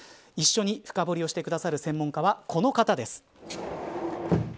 一緒に深堀をして下さる専門家はこの方です。